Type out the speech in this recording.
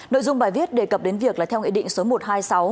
nội dung bài viết đề cập đến việc là theo nghị định số một trăm hai mươi sáu